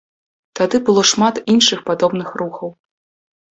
Тады было шмат іншых падобных рухаў.